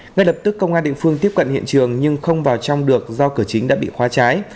ngay lập tức công an địa phương tiếp cận hiện trường nhưng không vào trong được do cửa chính đã bị khóa cháy